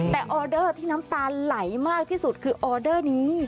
แต่ออเดอร์ที่น้ำตาลไหลมากที่สุดคือออเดอร์นี้